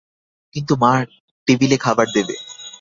কিন্তু মা, টেবিলে খাবার দেবে।